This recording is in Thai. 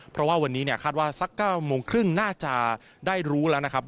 เพราะว่าวันนี้เนี่ยคาดว่าสัก๙โมงครึ่งน่าจะได้รู้แล้วนะครับ